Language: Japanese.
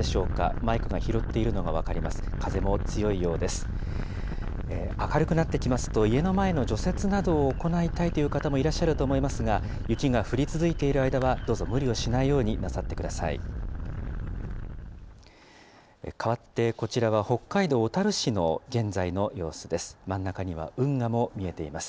かわってこちらは、北海道小樽市の現在の様子です。